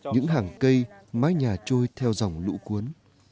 những hàng cây mái nhà trôi theo dòng lũ cuốn